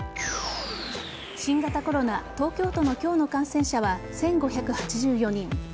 新型コロナ東京都の今日の感染者は１５８４人。